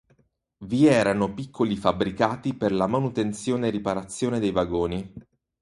Vi erano piccoli fabbricati per la manutenzione riparazione dei vagoni.